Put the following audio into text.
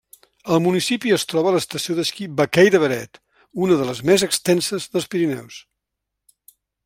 Al municipi es troba l'estació d'esquí Vaquèira-Beret, una de les més extenses dels Pirineus.